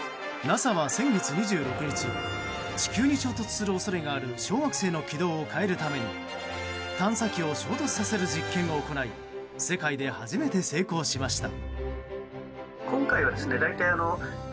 ＮＡＳＡは先月２６日地球に衝突する恐れがある小惑星の軌道を変えるために探査機を衝突させる実験を行い世界で初めて成功しました。